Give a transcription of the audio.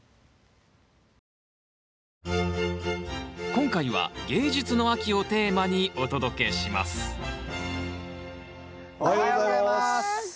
今回は芸術の秋をテーマにお届けしますおはようございます！